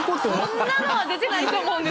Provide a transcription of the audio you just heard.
そんなのは出てないと思うんですけど。